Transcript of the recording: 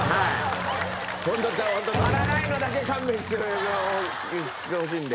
ホント足らないのだけ勘弁してしてほしいんで。